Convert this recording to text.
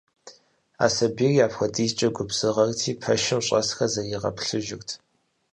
А сэбийр апхуэдизкӏэ губзыгъэти, пэшым щӏэсхэр зэригъэплъыжырт.